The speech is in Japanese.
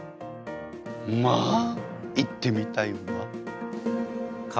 まあ行ってみたいわ。